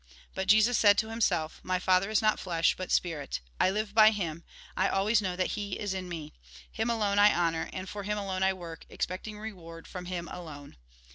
But Jesus said to himself: " My Father is not flesh, but spirit. I live by Him ; I always know that He is in me. Him alone I honour, and for Him alone I work, expecting reward from Him alone."